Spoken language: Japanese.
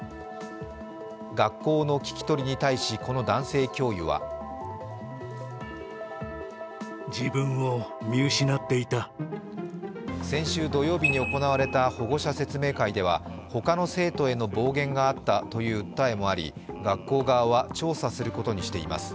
学校の聞き取りに対しこの男性教諭は先週土曜日に行われた保護者説明会では他の生徒への暴言があったという訴えもあり、学校側は調査することにしています。